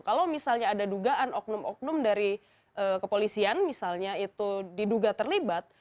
kalau misalnya ada dugaan oknum oknum dari kepolisian misalnya itu diduga terlibat